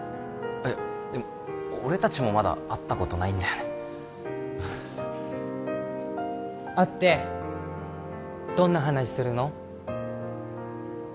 いやでも俺達もまだ会ったことないんだよね会ってどんな話するの？